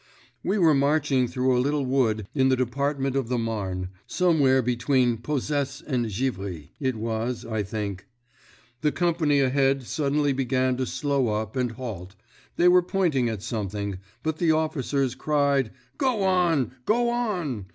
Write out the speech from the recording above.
"We were marching through a little wood in the Department of the Marne—somewhere between Posesse and Givry, it was, I think. The company ahead suddenly began to slow up and halt—they were pointing at something, but the officers cried: 'Go on! _Go on!